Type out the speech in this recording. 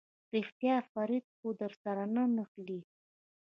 رښتيا فريده خو درسره نه نښلي.